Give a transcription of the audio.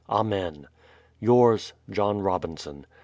Amen. Yours, JOHN ROBINSON.